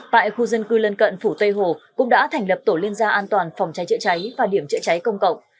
tại khu dân cư lân cận phủ tây hồ cũng đã thành lập tổ liên gia an toàn phòng cháy chữa cháy và điểm chữa cháy công cộng